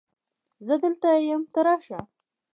زه دلته یم ته راشه